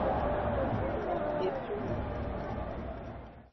Etu.